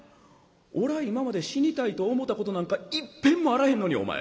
俺は今まで死にたいと思うたことなんかいっぺんもあらへんのにお前。